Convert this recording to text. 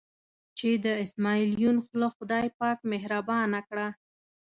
چې د اسمعیل یون خوله خدای پاک مهربانه کړه.